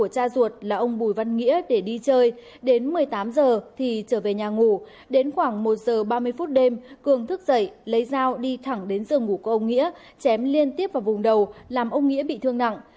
từ giờ ba mươi phút đêm cường thức dậy lấy dao đi thẳng đến giường ngủ của ông nghĩa chém liên tiếp vào vùng đầu làm ông nghĩa bị thương nặng